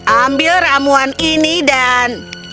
ambil ramuan ini dan